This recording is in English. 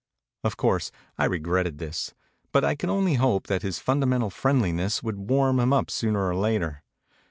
Of course, I regretted this; but I could only hope that his fundamental friendliness would warm him up sooner or later.